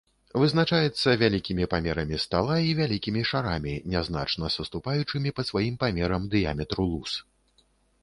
Вызначаецца вялікімі памерамі стала і вялікімі шарамі, нязначна саступаючымі па сваім памерам дыяметру луз.